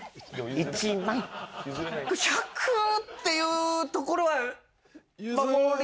１００っていうところは守りたい？